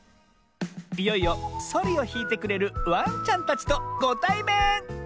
いよいよそりをひいてくれるワンちゃんたちとごたいめん！